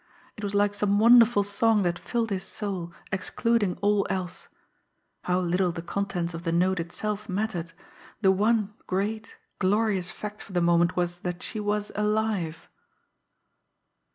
It was like some wonderful song that filled his soul, excluding all else. How little the contents of the note itself mattered the one great, glorious fact for the moment was that she was alive!